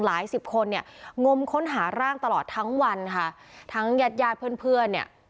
สิบคนเนี่ยงมค้นหาร่างตลอดทั้งวันค่ะทั้งญาติญาติเพื่อนเพื่อนเนี่ย